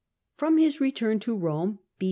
Prom his return to Homo (b.